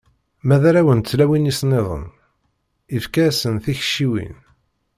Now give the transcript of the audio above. Ma d arraw n tlawin-is-nniḍen, ifka-asen tikciwin.